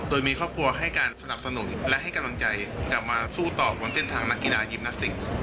โดยมีครอบครัวให้การสนับสนุนและให้กำลังใจกลับมาสู้ต่อบนเส้นทางนักกีฬายิมนักติก